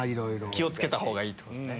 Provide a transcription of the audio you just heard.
気を付けたほうがいいってことですね。